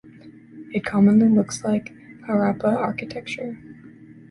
It commonly looks like Harappa architecture.